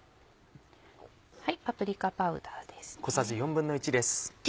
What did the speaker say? パプリカパウダーです。